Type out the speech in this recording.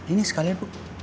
ini sekalian bu